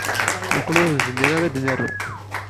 Neqqel ur nezmir ad naru.